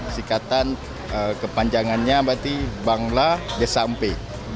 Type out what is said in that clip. sikatan kepanjangannya berarti bangla desampe